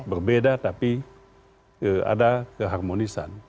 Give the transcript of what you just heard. berbeda tapi ada keharmonisan